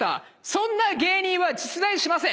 「そんな芸人は実在しません」